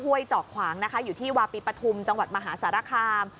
ห้วยเจาะขวางอยู่ที่วาปิปธุมจังหวัดมหาศาลคาม